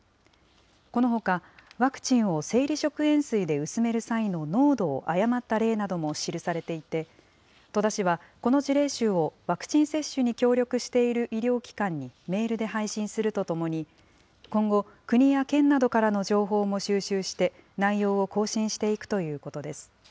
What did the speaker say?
このほか、ワクチンを生理食塩水で薄める際の濃度を誤った例なども記されていて、戸田市は、この事例集を、ワクチン接種に協力している医療機関にメールで配信するとともに、今後、国や県などからの情報も収集して、内容を更新していくということです。